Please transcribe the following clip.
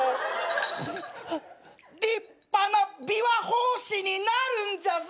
立派な琵琶法師になるんじゃぞ。